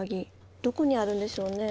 どこにあるんでしょうね？